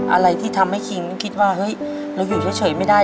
อะไรที่ทำให้คิงคิดว่าเฮ้ยเราอยู่เฉยไม่ได้